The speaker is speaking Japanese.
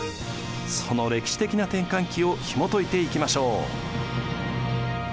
その歴史的な転換期をひもといていきましょう。